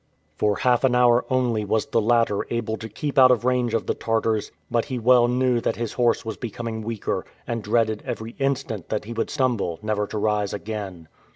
For half an hour only was the latter able to keep out of range of the Tartars, but he well knew that his horse was becoming weaker, and dreaded every instant that he would stumble never to rise again.